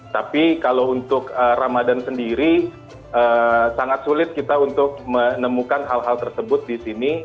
tapi kalau untuk ramadan sendiri sangat sulit kita untuk menemukan hal hal tersebut di sini